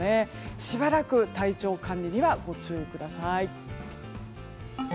しばらく体調管理にはご注意ください。